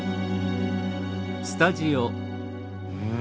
うん。